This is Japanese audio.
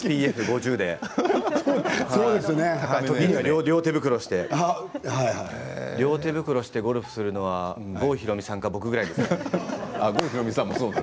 ＳＰＦ５０で両手袋をして両手手袋してゴルフするのは郷ひろみさんか僕ぐらいですね。